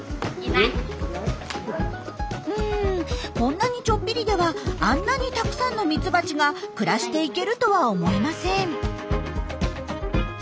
うんこんなにちょっぴりではあんなにたくさんのミツバチが暮らしていけるとは思えません。